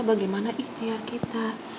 bagaimana ikhtiar kita